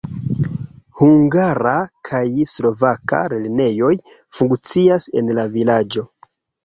Hungara kaj slovaka lernejoj funkcias en la vilaĝo.